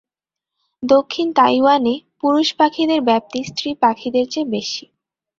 দক্ষিণ তাইওয়ানে, পুরুষ পাখিদের ব্যাপ্তি স্ত্রী পাখিদের চেয়ে বেশি।